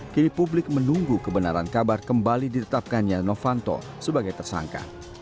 kini publik menunggu kebenaran kabar kembali ditetapkannya novanto sebagai tersangka